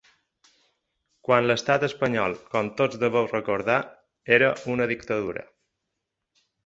Quan l’estat espanyol, com tots deveu recordar, era una dictadura.